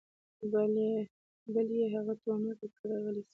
بل يې هغه ټونګه کړ غلى سه.